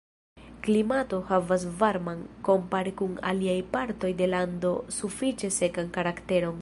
Klimato havas varman, kompare kun aliaj partoj de lando sufiĉe sekan karakteron.